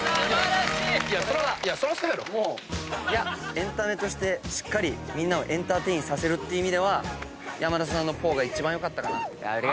エンタメとしてしっかりみんなをエンターテインさせるって意味では山田さんの「ぽー」が一番良かったかな。